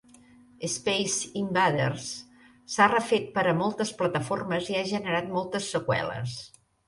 "Space Invaders" s'ha refet per a moltes plataformes i ha generat moltes seqüeles.